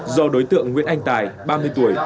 do đối tượng nguyễn anh tài ba mươi tuổi